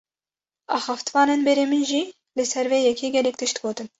Axaftvanên berî min jî li ser vê yekê, gelek tişt gotin